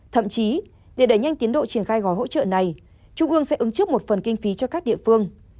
thậm chí để đẩy nhanh tiến độ triển khai gói hỗ trợ này trung ương sẽ ứng trước một phần kinh phí cho các địa phương